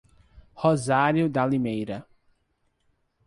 Rosário da Limeira